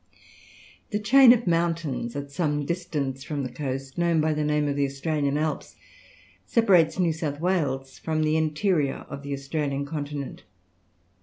The chain of mountains at some distance from the coast, known by the name of the Australian Alps, separates New South Wales from the interior of the Australian continent.